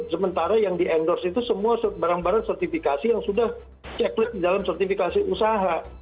sementara yang di endorse itu semua barang barang sertifikasi yang sudah checklist di dalam sertifikasi usaha